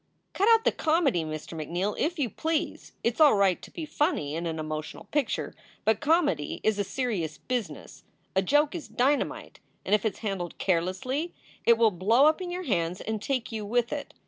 "Cut out the comedy, Mr. McNeal, if you please! It s all right to be funny in an emotional picture, but comedy is a serious business. A joke is dynamite, and if it s handled carelessly it will blow up in your hands and take you with it.